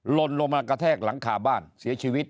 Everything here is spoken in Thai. ลนลงมากระแทกหลังคาบ้านเสียชีวิต